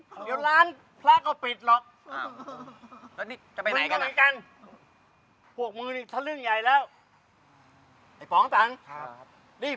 กำลังเคราะห์ไปนับหน่อยฟ้าเนี่ย